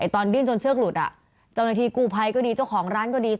ตอนดิ้นจนเชือกหลุดเจ้าหน้าที่กู้ภัยก็ดีเจ้าของร้านก็ดี